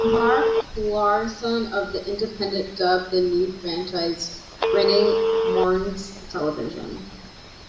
Mark Lawson of "The Independent" dubbed the new franchise "Grinning Morons Television".